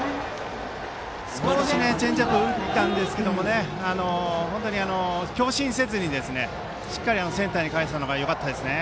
少しチェンジアップが浮いていたんですけど強振せずにしっかりセンターに返したのがよかったですね。